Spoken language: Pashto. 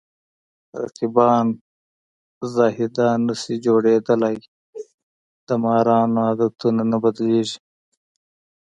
رقیبان زاهدان نشي جوړېدلی د مارانو عادتونه نه بدلېږي